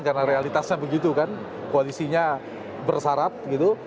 karena realitasnya begitu kan kualisinya bersarat gitu